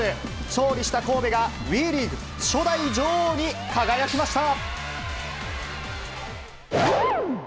勝利した神戸が、ＷＥリーグ初代女王に輝きました。